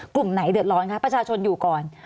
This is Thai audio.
สวัสดีครับทุกคน